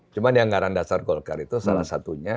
cuma di anggaran dasar golkar itu salah satunya